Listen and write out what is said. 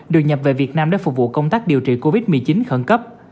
được nhập về việt nam để phục vụ công tác điều trị covid một mươi chín khẩn cấp